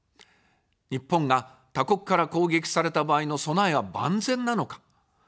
日本が他国から攻撃された場合の備えは万全なのか。